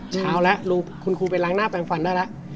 เช้าแล้วคุณครูไปล้างหน้าแปลงฟันได้แล้ว